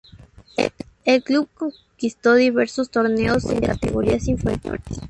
El club conquistó diversos torneos en categorías inferiores.